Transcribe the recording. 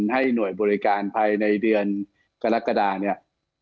ให้หน่วยบริการภายในเดือนกรกฎาเนี่ย